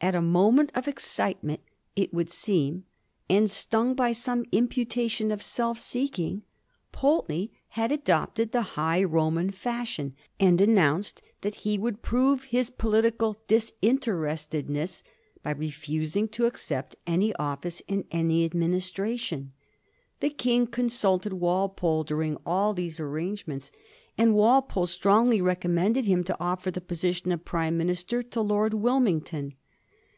At a moment of excitement, it would seem, and stung by some imputation of self seeking, Pulteney had adopted the high Roman fashion, and announced that he would prove his political disinterestedness by refusing to accept any office in any administration. The King consulted Walpole during all these arrangements, and Walpole strongly recommended him to offer the position of Prime minister to Lord Wilmington.